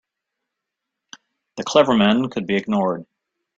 The clever men could be ignored.